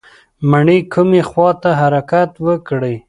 مڼې کومې خواته حرکت وکړي؟